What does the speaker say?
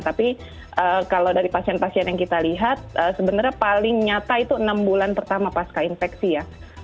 tapi kalau dari pasien pasien yang kita lihat sebenarnya paling nyata itu enam bulan pertama pasca infeksi ya